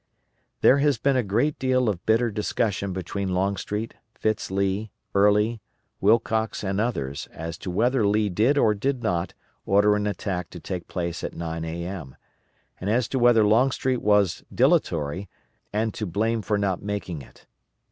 There has been a great deal of bitter discussion between Longstreet, Fitz Lee, Early, Wilcox, and others as to whether Lee did or did not order an attack to take place at 9 A.M., and as to whether Longstreet was dilatory, and to blame for not making it.